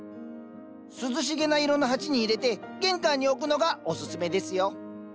涼しげな色の鉢に入れて玄関に置くのがおすすめですよ。